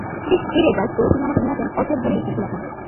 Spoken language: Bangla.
বেশ স্পিডে ড্রাইভ করে তিনি আমাকে নিয়ে আসেন অরচার্ড বলে একটি এলাকায়।